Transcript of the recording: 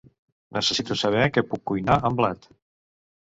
Necessito saber què puc cuinar amb blat.